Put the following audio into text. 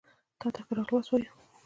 تاته ښه راغلاست وايو